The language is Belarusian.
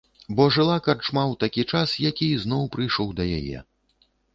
Бо жыла карчма ў такі час, які ізноў прыйшоў да яе.